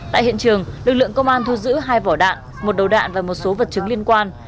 tại hiện trường lực lượng công an thu giữ hai vỏ đạn một đầu đạn và một số vật chứng liên quan